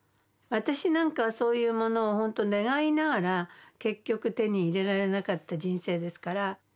私なんかはそういうものを本当願いながら結局手に入れられなかった人生ですから。